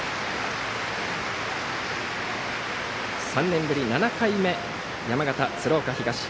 ３年ぶり７回目の山形・鶴岡東。